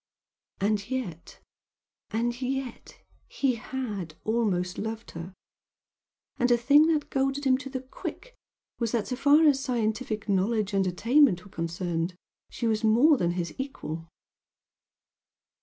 And yet and yet he had almost loved her! And a thing that goaded him to the quick was that so far as scientific knowledge and attainment were concerned she was more than his equal.